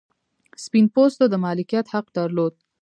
سپین پوستو د مالکیت حق درلود.